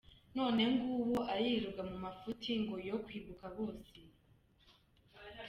None nguwo aririrwa mu mafuti ngo yo « kwibuka bose ».